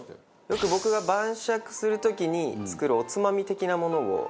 よく僕が晩酌する時に作るおつまみ的なものを。